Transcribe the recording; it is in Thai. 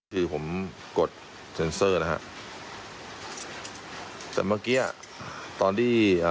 แต่วันเราปิดประตูบ้านอัตโนมัติ